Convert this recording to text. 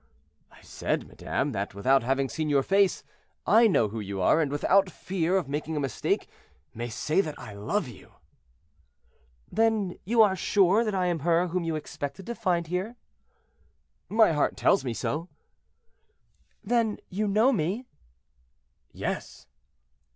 "I said, madame, that without having seen your face, I know who you are, and without fear of making a mistake, may say that I love you." "Then you are sure that I am her whom you expected to find here?" "My heart tells me so." "Then you know me?" "Yes."